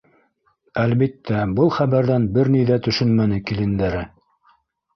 Әлбиттә был хәбәрҙән бер ни ҙә төшөнмәне килендәре.